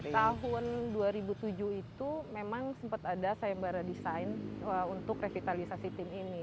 jadi tahun dua ribu tujuh itu memang sempat ada saembara desain untuk revitalisasi tim ini